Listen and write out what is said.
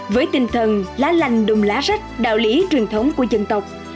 với tinh thần lá lành đùm lá sách đạo lý truyền thống của dân tộc